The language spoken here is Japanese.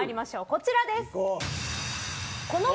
こちらです。